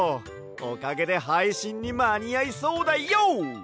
おかげではいしんにまにあいそうだＹＯ！